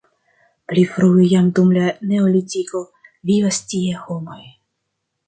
Pli frue jam dum la neolitiko vivis tie homoj.